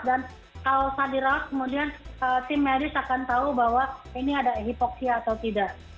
dan kalau tak dirawat kemudian tim medis akan tahu bahwa ini ada hipoksia atau tidak